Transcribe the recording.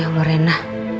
ya allah rena